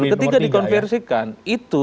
ketika dikonversikan itu